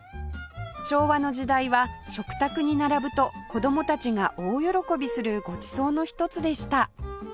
昭和の時代は食卓に並ぶと子供たちが大喜びするごちそうの一つでした